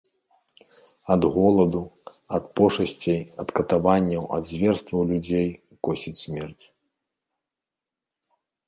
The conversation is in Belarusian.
Ад голаду, ад пошасцей, ад катаванняў, ад зверстваў людзей косіць смерць.